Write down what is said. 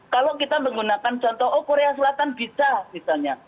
kalau kita menggunakan contoh oh korea selatan bisa misalnya